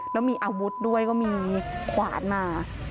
แล้วมีอาวุธด้วยก็มีขวานมา